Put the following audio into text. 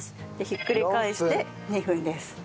ひっくり返して２分です。